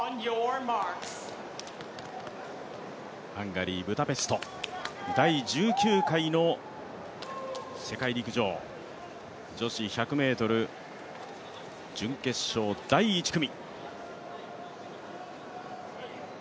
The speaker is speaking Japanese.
ハンガリー・ブダペスト、第１９回の世界陸上、女子１００ｍ準決勝第１組。